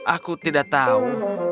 aku tidak tahu